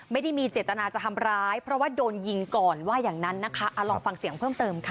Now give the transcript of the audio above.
ไม่ได้มีเจตนาจะทำร้ายเพราะว่าโดนยิงก่อนว่าอย่างนั้นนะคะลองฟังเสียงเพิ่มเติมค่ะ